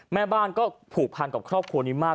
แม่บ้านก็ผูกพันกับครอบครัวนี้มาก